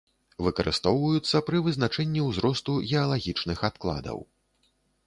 Выкарыстоўваюцца пры вызначэнні ўзросту геалагічных адкладаў.